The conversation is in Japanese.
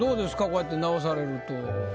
こうやって直されると。